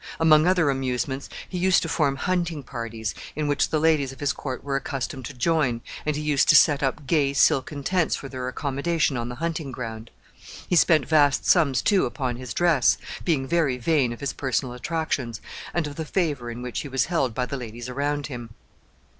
Among other amusements, he used to form hunting parties, in which the ladies of his court were accustomed to join, and he used to set up gay silken tents for their accommodation on the hunting ground. He spent vast sums, too, upon his dress, being very vain of his personal attractions, and of the favor in which he was held by the ladies around him.